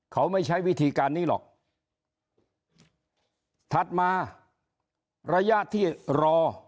เขาไม่ใช้วิธีการนี้หรอกถัดมาระยะที่รอ